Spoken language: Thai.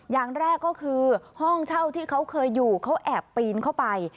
อย่างแรกก็คือห้องเช่าที่เขาเคยอยู่เขาแอบปีนเข้าไป